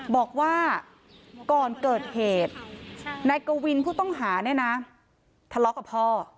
บอกว่าก่อนเกิดเหตุนายกวินผู้ต้องหาเนี่ยนะทะเลาะกับพ่อ